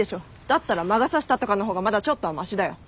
だったら魔が差したとかの方がまだちょっとはマシだよ。